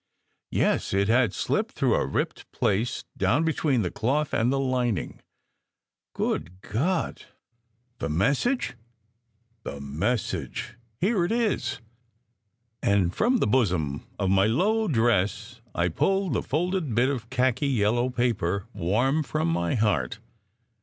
"Yes! It had slipped through a ripped place down be tween the cloth and the lining." "Good God! The message ?" "The message! Here it is." And from the bosom of my low dress I pulled the folded bit of khaki yellow paper, warm from my heart.